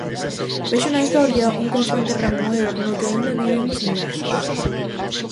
Vexo na historia un constante remoer no que aínda vivimos inmersos.